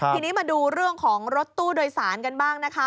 ทีนี้มาดูเรื่องของรถตู้โดยสารกันบ้างนะคะ